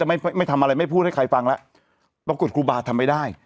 ไม่ไม่ทำอะไรไม่พูดให้ใครฟังแล้วปรากฏครูบาทำไม่ได้